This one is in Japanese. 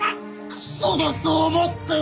クソだと思ってる！